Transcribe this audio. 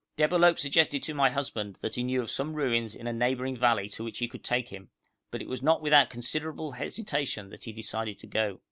Debalohp suggested to my husband that he knew of some ruins in a neighbouring valley to which he could take him, but it was not without considerable hesitation that he decided to go.